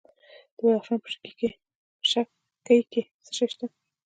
د بدخشان په شکی کې څه شی شته؟